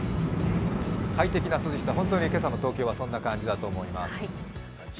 快適な涼しさ、本当に今朝の東京はそんな感じだと思います。